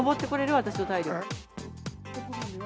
私の体力で。